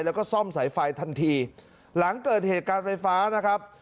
แล้วก็ซ่อมสายไฟทันทีหลังเกิดเหตุการณ์ไฟฟ้านะครับ